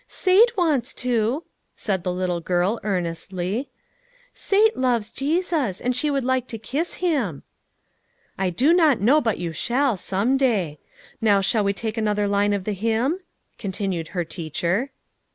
" Sate wants to," said the little girl earnestly. 302 LITTLE FISHERS: AND THEIE NETS. " Sate loves Jesus ; and she would like to kiss him." "I do not know but you shall, some day. Now shall we take another line of the hymn ?" continued her teacher.